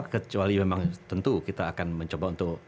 kecuali memang tentu kita akan mencoba untuk